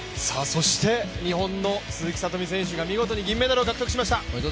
そして日本の鈴木聡美選手が見事に銀メダルを獲得しました。